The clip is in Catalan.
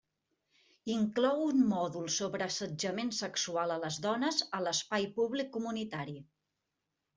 Inclou un mòdul sobre assetjament sexual a les dones a l'espai públic comunitari.